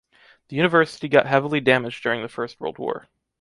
The university got heavily damaged during the First World War.